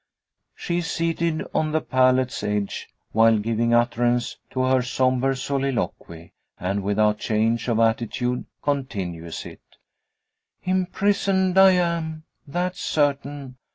She is seated on the pallet's edge while giving utterance to her sombre soliloquy; and without change of attitude continues it: "Imprisoned I am that certain!